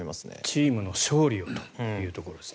チームの勝利をというところです。